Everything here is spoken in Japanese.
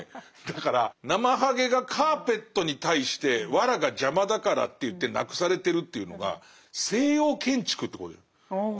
だからナマハゲがカーペットに対して藁が邪魔だからっていってなくされてるっていうのが西洋建築ってことじゃない。